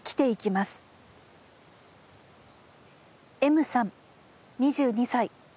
ｍさん２２歳。